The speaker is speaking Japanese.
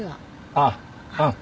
あっうん。